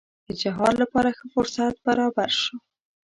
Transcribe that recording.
د جهاد لپاره ښه فرصت برابر شو.